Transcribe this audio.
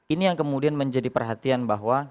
ini yang kemudian menjadi perhatian bahwa